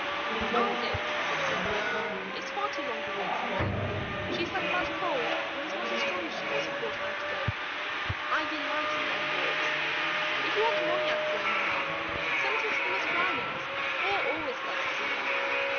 "I'll go," said Cynthia. "It's far too long a walk for Molly; she's had a bad cold, and isn't as strong as she was a fortnight ago. I delight in long walks. If you want Molly out of the way, mamma, send her to the Miss Brownings' they are always glad to see her."